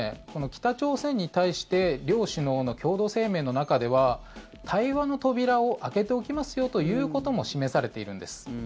北朝鮮に対して両首脳の共同声明の中では対話の扉を開けておきますよということも示されているんです。